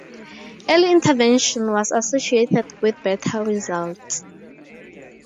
Early intervention was associated with better results.